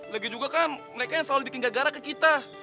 lagi juga kan mereka yang selalu bikin gara ke kita